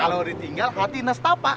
kalau udah tinggal hati nestapa